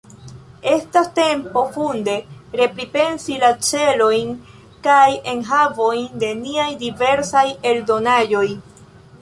Estas tempo funde repripensi la celojn kaj enhavojn de niaj diversaj eldonaĵoj.